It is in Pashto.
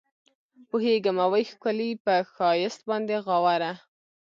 پوهېږمه وي ښکلي پۀ ښائست باندې غاوره